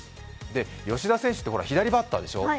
吉田選手って左バッターでしょう。